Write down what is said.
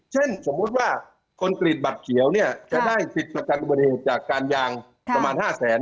สมมุติว่าคอนกรีตบัตรเขียวเนี่ยจะได้สิทธิ์ประกันอุบัติเหตุจากการยางประมาณ๕แสน